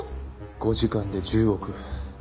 ５時間で１０億。